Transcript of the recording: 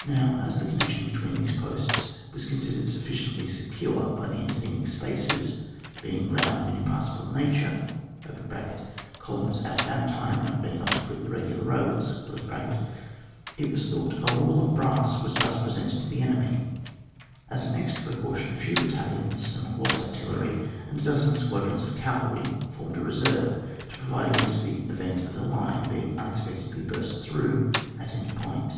Now as the connection between these posts was considered sufficiently secure by the intervening spaces, being ground of an impassable nature (columns at that time not being able to quit the regular roads), it was thought a wall of brass was thus presented to the enemy. As an extra precaution, a few battalions, some horse artillery, and a dozen squadrons of cavalry, formed a reserve to provide against the event of the line being unex pectedly burst through at any point.